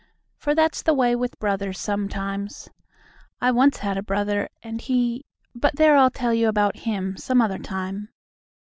for that's the way with brothers sometimes. I once had a brother, and he but there, I'll tell you about him some other time.